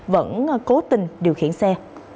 vẫn cố tình điều khiển xe